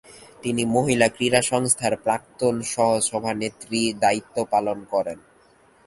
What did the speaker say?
তিনি মহিলা ক্রীড়া সংস্থার প্রাক্তন সহ-সভানেত্রী দায়িত্ব পালন করেন।